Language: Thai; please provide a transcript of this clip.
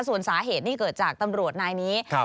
ส่วนสาเหตุนี่เกิดจากตำรวจนายนี้